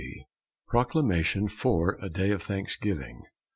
His Proclamation for a Day of Thanksgiving.